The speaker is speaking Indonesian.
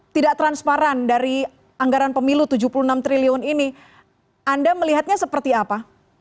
tidak transparan dari anggaran pemilu tujuh puluh enam triliun ini anda melihatnya seperti apa